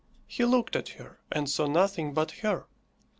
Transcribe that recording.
He looked at her, and saw nothing but her.